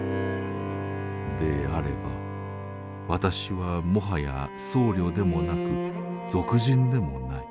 であれば私はもはや僧侶でもなく俗人でもない。